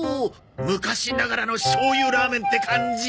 昔ながらのしょうゆラーメンって感じ。